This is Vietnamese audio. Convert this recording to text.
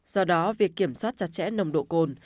do đó việc kiểm soát chặt chẽ nồng độ cồn